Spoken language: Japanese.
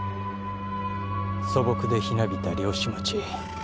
素朴でひなびた漁師町。